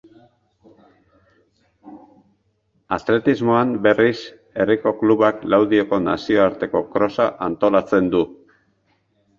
Atletismoan, berriz, herriko klubak Laudioko Nazioarteko Krosa antolatzen du.